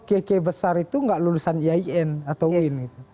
bk besar itu gak lulusan iin atau win